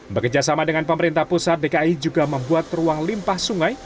bekerjasama dengan pemerintah pusat dki juga membuat ruang limpah sungai